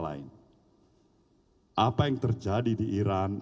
apa yang terjadi di iran apa yang terjadi di indonesia